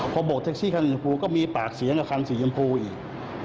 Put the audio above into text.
พอโบกแท็กซี่คันชมพูก็มีปากเสียงกับคันสีชมพูอีก